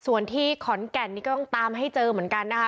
ส่วนที่ขอนแก่นนี่ก็ต้องตามให้เจอเหมือนกันนะคะ